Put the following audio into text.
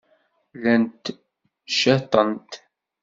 Llant caṭent.